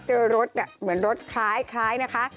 เจอรถอย่างเหมือนรถคล้ายคล้ายนะคะ